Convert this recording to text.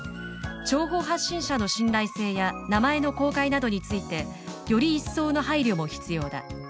情報発信者の信頼性や名前の公開などについてより一層の配慮も必要だ」。